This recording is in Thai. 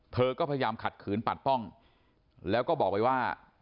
เธอก็พยายามขัดขืนปัดป้องแล้วก็บอกไว้ว่า